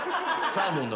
サーモン。